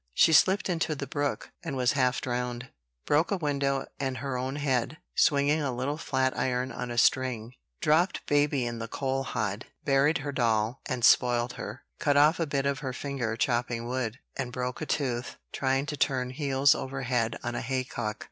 She slipped into the brook, and was half drowned; broke a window and her own head, swinging a little flat iron on a string; dropped baby in the coal hod; buried her doll, and spoilt her; cut off a bit of her finger, chopping wood; and broke a tooth, trying to turn heels over head on a haycock.